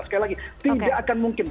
sekali lagi tidak akan mungkin